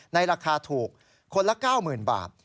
ราคาถูกคนละ๙๐๐๐บาท